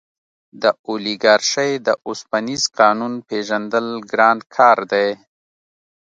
د اولیګارشۍ د اوسپنیز قانون پېژندل ګران کار دی.